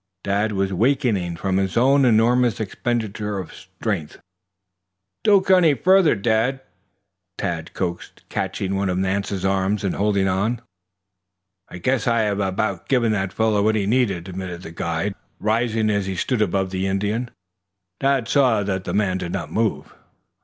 Dad was weakening from his own enormous expenditure of strength. "Don't go any farther, Dad," Tad coaxed, catching one of Nance's arm and holding on. "I guess I have about given the fellow what he needed," admitted the guide, rising. As he stood above the Indian, Dad saw that the man did not move.